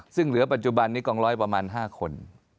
ซึ่งเหลือปัจจุบันนี้กองร้อยประมาณ๕คน